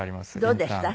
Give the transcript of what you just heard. どうでした？